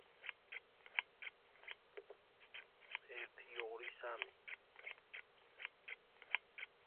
It is ranked first amongst Polish business schools in the "Perspektywy" ranking.